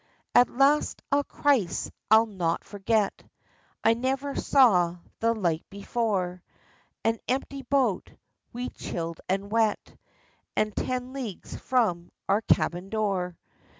At last— ah Christ, I'll not forget ! I never saw the like before ! An empty boat — we, chilled and wet. And ten leagues from our cabin door